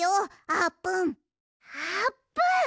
あーぷん！